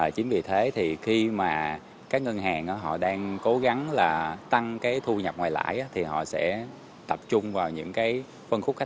chính vì thế thì khi mà các ngân hàng họ đang cố gắng là tăng cái thu nhập ngoài lãi thì họ sẽ tập trung vào những cái nhu cầu về tài chính khác